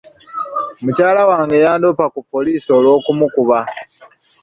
Mukyala wange yandoopa ku poliisi olw'okumukuba.